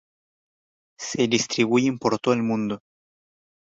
Se distribuyen por todo el mundo.